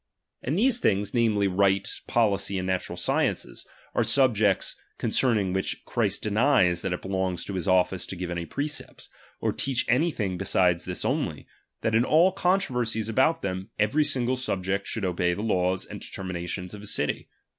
And these things, ^H namely, right, policy, and natural sciences, are ^H subjects concerning which Christ denies that it ^H belongs to his office to give any precepts, or teach ^H any thing beside this only ; that in all controver ^H sies about them, every single subject should obey ^^H the laws and determinations of his city.